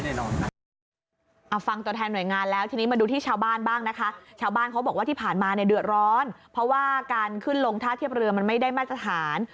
เอาฟังตัวแทนหน่วยงานแล้วทีนี้มาดูที่ชาวบ้านบ้างนะคะชาวบ้านเขาบอกว่าที่ผ่านมาเนี่ยเดือดร้อนเพราะว่าการขึ้นลงท่าเทียบเรือมันไม่ได้มาตรฐาน